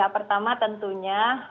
ya pertama tentunya